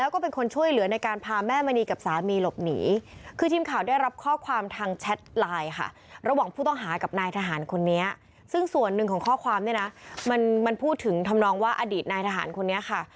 ของข้อความเนี่ยนะมันพูดถึงทำนองว่าอดีตนายทหารคนนี้ค่ะ